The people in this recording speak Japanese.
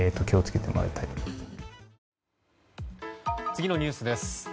次のニュースです。